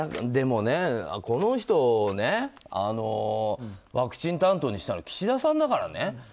この人をワクチン担当にしたのは岸田さんだからね。